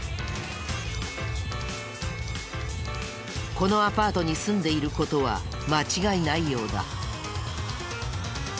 このアパートに住んでいる事は間違いないようだ。